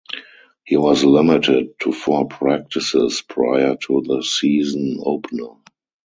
He was limited to four practices prior to the season opener.